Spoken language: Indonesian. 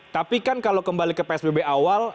tapi kan kalau kembali ke psbb awal